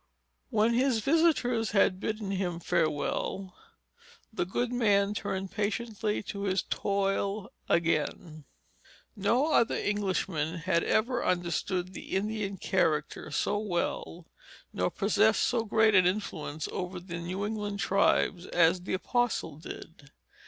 And when his visitors had bidden him farewell, the good man turned patiently to his toil again. No other Englishman had ever understood the Indian character so well, nor possessed so great an influence over the New England tribes, as the apostle did.